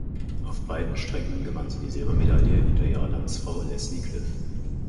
Auf beiden Strecken gewann sie die Silbermedaille hinter ihrer Landsfrau Leslie Cliff.